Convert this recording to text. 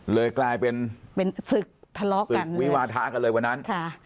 เลยกลายเป็นเป็นศึกทะเลาะกันวิวาทะกันเลยวันนั้นค่ะ